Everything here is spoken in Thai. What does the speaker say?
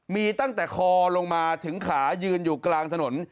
มีตั้งแต่คอลงมาถึงขายืนอยู่กลางถนน